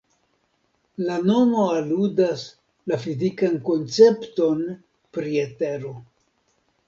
La nomo aludas la fizikan koncepton pri etero.